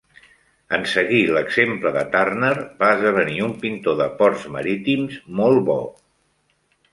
En seguir l'exemple de Turner, va esdevenir un pintor de ports marítims molt bo.